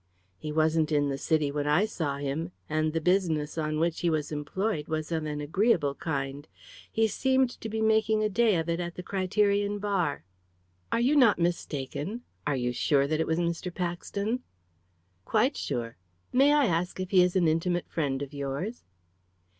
"He wasn't in the City when I saw him. And the business on which he was employed was of an agreeable kind. He seemed to be making a day of it at the Criterion bar." "Are you not mistaken? Are you sure that it was Mr. Paxton?" "Quite sure. May I ask if he is an intimate friend of yours?"